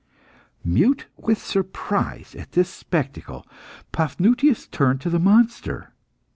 Mute with surprise at this spectacle, Paphnutius turned to the monster.